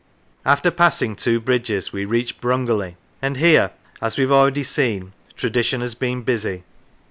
After passing two bridges, we reach Brungerley, and here, as we have already seen, tradition has been busy.